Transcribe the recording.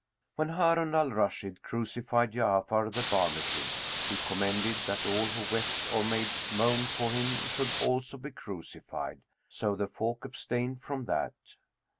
When Harun al Rashid crucified Ja'afar the Barmecide[FN#224] he commended that all who wept or made moan for him should also be crucified; so the folk abstained from that.